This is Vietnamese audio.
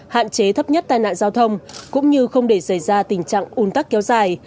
hạn chế thấp nhất tai nạn giao thông cũng như không để xảy ra tình trạng un tắc kéo dài